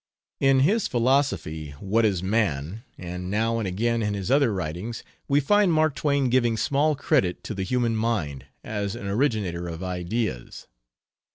In his philosophy, What Is Man?, and now and again in his other writings, we find Mark Twain giving small credit to the human mind as an originator of ideas.